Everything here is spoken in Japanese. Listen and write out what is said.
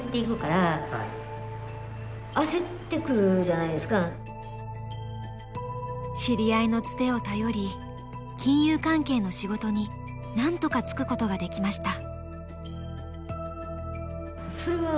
その斡旋の中に知り合いのつてを頼り金融関係の仕事になんとか就くことができました。